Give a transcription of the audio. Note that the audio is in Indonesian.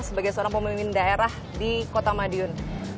sebagai seorang pemimpin daerah di kota madiun